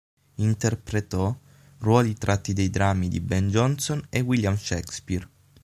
Interpretò ruoli tratti dai drammi di Ben Jonson e William Shakespeare.